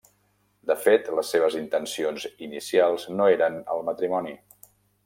De fet, les seves intencions inicials no eren el matrimoni.